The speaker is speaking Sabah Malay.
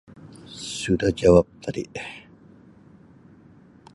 sudah jawap tadi.